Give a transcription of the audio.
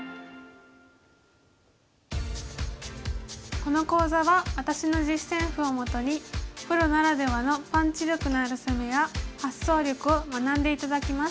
この講座は私の実戦譜をもとにプロならではのパンチ力のある攻めや発想力を学んで頂きます。